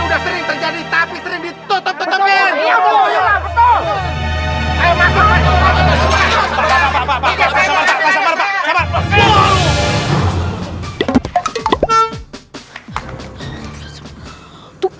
ini udah sering terjadi tapi sering ditutup tutupin iya betul iya betul ayo masuk